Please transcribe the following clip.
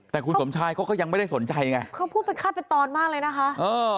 แต่คุณสมชายก็ยังไม่ได้สนใจไงเขาพูดไปฆ่าไปตอนมาเลยนะคะ